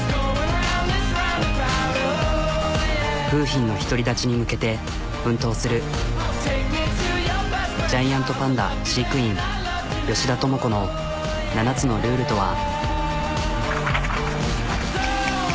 楓浜の独り立ちに向けて奮闘するジャイアントパンダ飼育員吉田倫子の７つのルールとは？